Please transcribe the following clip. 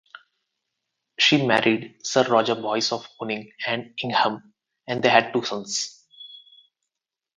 She married Sir Roger Boys of Honing and Ingham and they had two sons.